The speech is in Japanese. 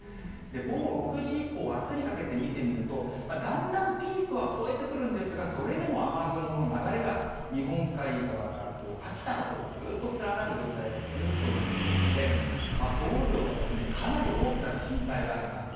午後６時以降、あすにかけて見てみると、だんだんピークは越えてくるんですが、それでも雨雲の流れが日本海側から秋田のほうをずっと連なる状態が続くということで、総雨量がかなり多くなる心配があります。